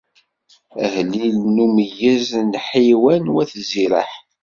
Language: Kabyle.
Ahellil n umeyyez n Hiyman n wat Ziraḥ.